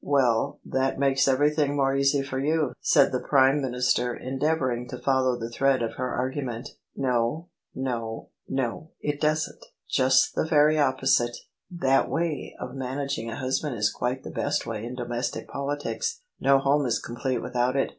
"Well, that makes everything more easy for you," said the Prime Minister, endeavouring to follow the thread of her argument. "No, no, no, it doesn't: just the very opposite 1 That way of managing a husband is quite the best way in domestic politics; no home is complete without it.